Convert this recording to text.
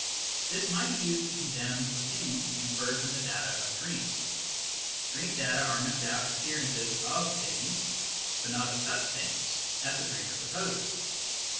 This might be used to condemn the " things " inferred from the data of dreams. Dream data are no doubt appearances of " things," but not of such " things " as the dreamer supposes.